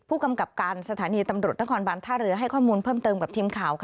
ผู้กำกับการสถานีตำรวจนครบานท่าเรือให้ข้อมูลเพิ่มเติมกับทีมข่าว